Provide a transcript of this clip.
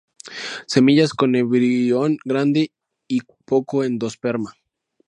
Semillas con embrión grande y poco endosperma.